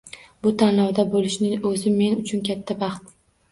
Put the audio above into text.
Bu tanlovda bo‘lishni o‘zi men uchun katta baxt.